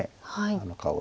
あの顔は。